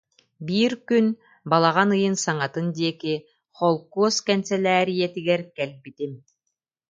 Биир күн, балаҕан ыйын саҥатын диэки, холкуос кэнсэлээрийэтигэр кэлбитим